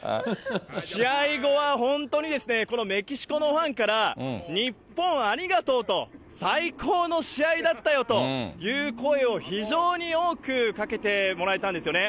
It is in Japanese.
試合後は本当にこのメキシコのファンから、日本ありがとうと、最高の試合だったよという声を、非常に多くかけてもらえたんですよね。